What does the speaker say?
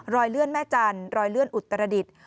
เลื่อนแม่จันทร์รอยเลื่อนอุตรดิษฐ์